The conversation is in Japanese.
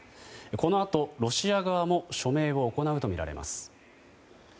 このあとロシア側も署名を行うとみられます。